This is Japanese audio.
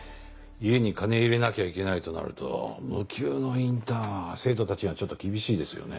家に金入れなきゃいけないとなると無給のインターンは生徒たちにはちょっと厳しいですよね。